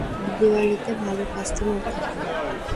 দিওয়ালিতে ভালো কাস্টমার থাকে।